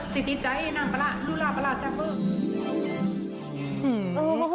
สิทธิใจน้ำปลาร้าลูลาปลาร้าแซ่บเบอร์